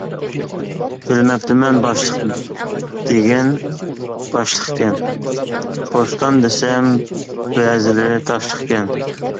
بىلمەپتىمەن باشلىق دېگەن باشلىقكەن، بوستان دېسەم بەزىلىرى تاشلىقكەن.